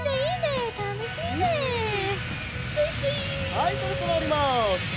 はいそろそろおります。